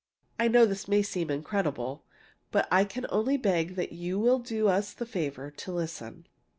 I know this may seem incredible, but I can only beg that you will do us the favor to listen."